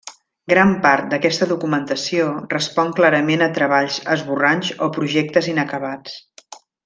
Gran part d'aquesta documentació respon clarament a treballs, esborranys o projectes inacabats.